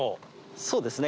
そうですね